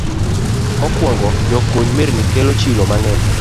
Mokwongo, jakuny mirni kelo chilo mang'eny